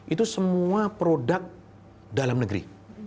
itu semua produk dalam negeri